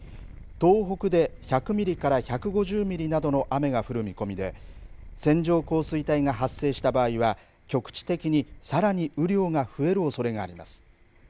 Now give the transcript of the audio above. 東北で１００ミリから１５０ミリなどの雨が降る見込みで線状降水帯が発生した場合は局地的にさらに雨量が増えるおそれがあります。